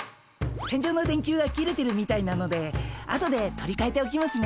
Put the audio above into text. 天井の電球が切れてるみたいなので後で取りかえておきますね。